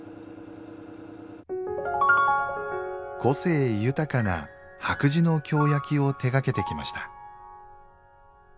個性豊かな「白磁」の京焼を手がけてきました。